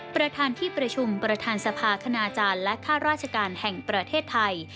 ประธานที่ประชุมประธานสภาคณาจารย์และข้าราชการแห่งประเทศไทย